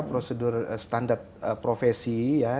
prosedur standar profesi ya